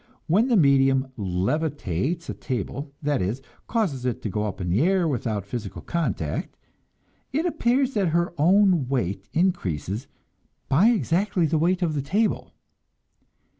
When the medium "levitates" a table that is, causes it to go up in the air without physical contact it appears that her own weight increases by exactly the weight of the table.